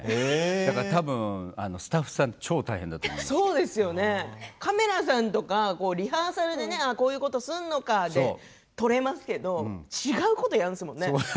だからスタッフさんカメラさんとかリハーサルでこういうことをするのかとそういうので撮れますけど違うことをやるんですもんね。